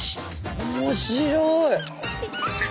面白い。